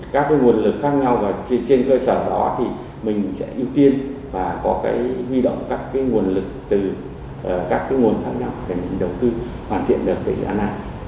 các cái nguồn lực khác nhau và trên cơ sở đó thì mình sẽ ưu tiên và có cái huy động các cái nguồn lực từ các cái nguồn khác nhau để mình đầu tư hoàn thiện được cái dự án này